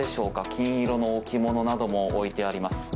金色の置き物なども置いてあります。